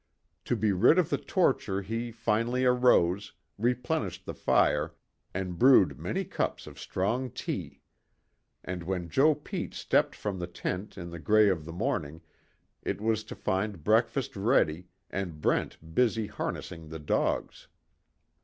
To be rid of the torture he finally arose, replenished the fire, and brewed many cups of strong tea. And when Joe Pete stepped from the tent in the grey of the morning it was to find breakfast ready, and Brent busy harnessing the dogs.